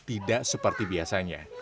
tidak seperti biasanya